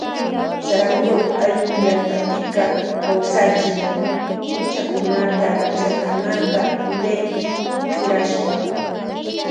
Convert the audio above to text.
Saraguro ayllu llaktapika kawsachin huchakunata chakanata yuyaypi churashpa.